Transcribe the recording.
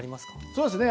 そうですね